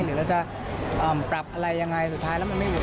หรือเราจะปรับอะไรยังไงสุดท้ายแล้วมันไม่อยู่